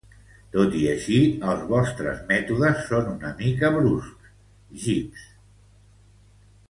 Tot i així, els vostres mètodes són una mica bruscs, Jeeves.